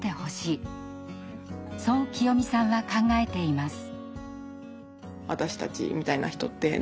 そうきよみさんは考えています。